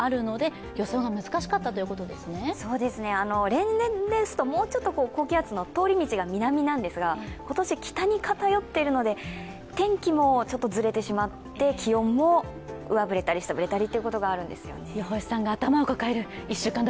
例年ですともうちょっと高気圧の通り道が南なんですが今年、北に偏っているので天気もちょっとずれてしまって気温も上振れたり下振れたりということがあるんですね。